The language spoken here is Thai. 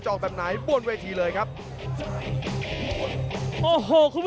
จิบลำตัวไล่แขนเสียบใน